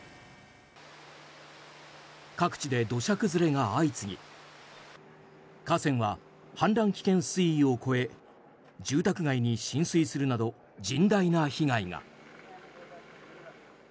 各地で土砂崩れが相次ぎ河川は氾濫危険水位を超え住宅街に浸水するなど甚大な被害が。